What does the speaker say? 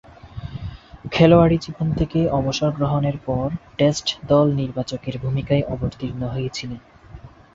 খেলোয়াড়ী জীবন থেকে অবসর গ্রহণের পর টেস্ট দল নির্বাচকের ভূমিকায় অবতীর্ণ হয়েছিলেন।